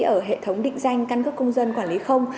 ở hệ thống định danh căn cấp công dân quản lý không